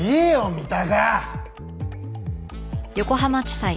三鷹！